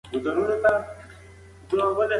سمندرونه او پولې یادېږي.